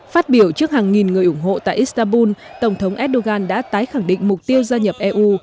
phát biểu trước hàng nghìn người ủng hộ tại istanbul tổng thống erdogan đã tái khẳng định mục tiêu gia nhập eu